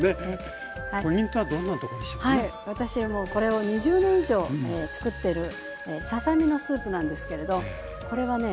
私もうこれを２０年以上つくってるささ身のスープなんですけれどこれはね